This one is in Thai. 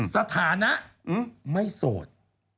สถานะไม่โสด